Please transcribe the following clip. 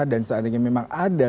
dan seandainya memang ada